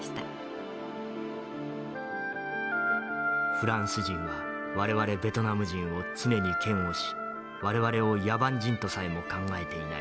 「フランス人は我々ベトナム人を常に嫌悪し我々を野蛮人とさえも考えていない。